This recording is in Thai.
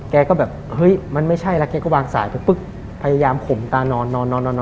แกก็แบบเฮ้ยมันไม่ใช่แล้วแกก็วางสายไปปุ๊บพยายามขมตานอนนอน